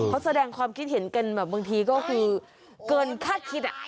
เขาแสดงความคิดเห็นกันแบบบางทีก็คือเกินคาดคิด